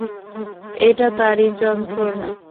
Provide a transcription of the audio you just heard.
এটা তারই যন্ত্রণা!